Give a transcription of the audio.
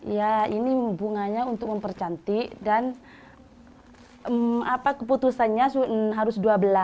ya ini bunganya untuk mempercantik dan keputusannya harus dua belas